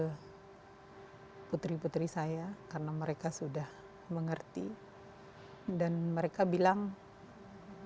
hai putri puteri saya karena mereka sudah mengerti dan mereka bilang mantap